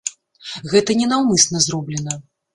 Гэта не наўмысна зроблена.